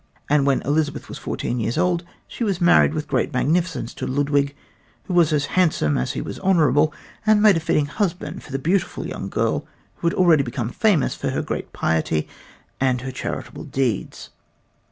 And when Elizabeth was fourteen years old, she was married with great magnificence to Ludwig, who was as handsome as he was honorable, and made a fitting husband for the beautiful young girl who had already become famous for her great piety and her charitable deeds.